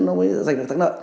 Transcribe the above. nó mới dành được tác nợ